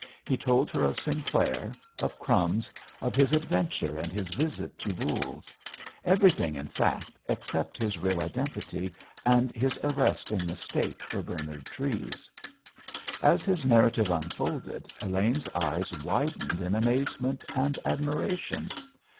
He told her of Sinclair, of "Crumbs," of his adventure and his visit to Voules; everything, in fact, except his real identity and his arrest in mistake for Bernard Treves. As his narrative unfolded, Elaine's eyes widened in amazement and admiration.